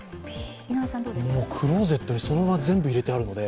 クローゼットにそのまま全部入れてあるので。